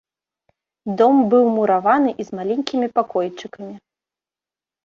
Дом быў мураваны і з маленькімі пакойчыкамі.